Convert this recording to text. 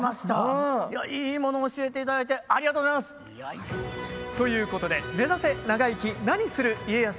いやいいもの教えて頂いてありがとうございます。ということで「目指せ長生き何する家康」。